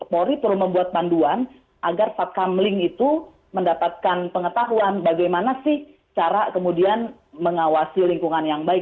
polri perlu membuat panduan agar satkam link itu mendapatkan pengetahuan bagaimana sih cara kemudian mengawasi lingkungan yang baik